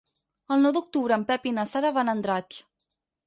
El nou d'octubre en Pep i na Sara van a Andratx.